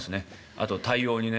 あと対応にね。